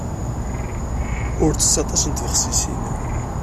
Ur ttett aṭas n tbexsisin.